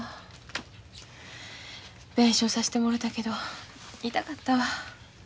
弁償さしてもろたけど痛かったわ。